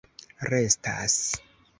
restas